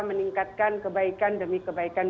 meningkatkan kebaikan demi kebaikan